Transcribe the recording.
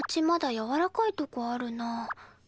まだやわらかいとこあるなあ。